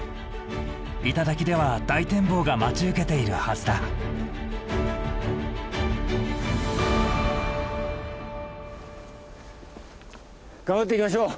頂では大展望が待ち受けているはずだ。頑張っていきましょう！